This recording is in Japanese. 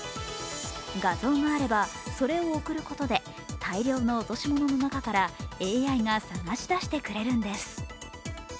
画像があれば、それを送ることで大量の落とし物の中からＡＩが探しだしてくれるんです。